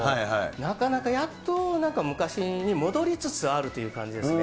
なかなかやっと、なんか昔に戻りつつあるという感じですね。